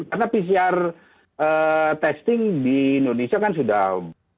karena pcr testing di indonesia kan sudah